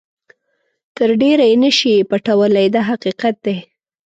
تر ډېره یې نه شئ پټولای دا حقیقت دی.